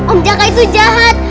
om jaka itu jahat